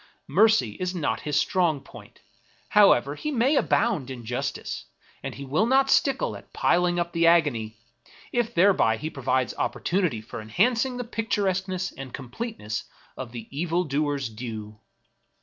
Mercy is not his strong point, however he may abound in justice ; and he will not stickle at piling up the agony, if thereby he provides opportunity for enhancing the pictur esqueness and completeness of the evil doer's due.